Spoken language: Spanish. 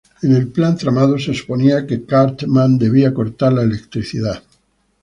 En el plan tramado, se suponía que Cartman debía cortar la electricidad.